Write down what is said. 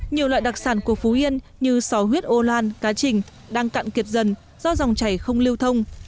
nhiều loại đặc sản của phú yên như sò huyết âu lan cá trình đang cạn kiệt dần do dòng chảy không lưu thông